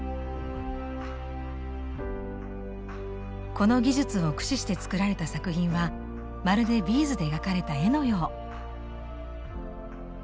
この技術を駆使して作られた作品はまるでビーズで描かれた絵のよう。